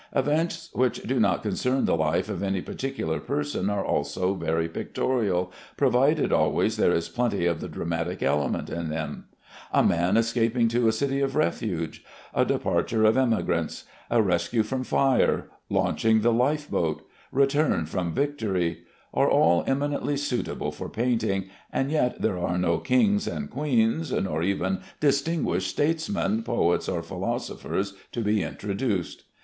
Events which do not concern the life of any particular person are also very pictorial, provided always there is plenty of the dramatic element in them: "A Man Escaping to a City of Refuge"; "A Departure of Emigrants"; "A Rescue from Fire"; "Launching the Life Boat"; "Return from Victory," are all eminently suitable for painting, and yet there are no kings and queens, nor even distinguished statesmen, poets, or philosophers to be introduced.